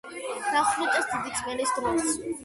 დახვრიტეს დიდი წმენდის დროს.